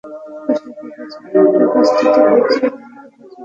কোষের বিভাজন ঘটার প্রস্তুতি পর্যায় এবং বিভাজন পর্যায়কে সমষ্টিগতভাবে কোষচক্র বলে।